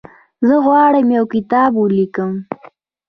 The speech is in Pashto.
زه غواړم یو کتاب ولیکم.